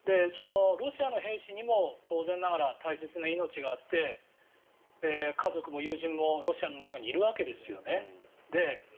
ロシアの兵士にも当然ながら大切な命があって家族も友人もロシアの中にいるわけですよね。